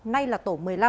nay là tổ một mươi năm